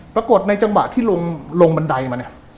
ปรากฏในจังหวะที่ลงบันไดมาเนี่ย